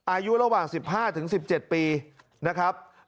อายุระหว่าง๑๕๑๗ปีนะครับ